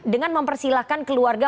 dengan mempersilahkan keluarga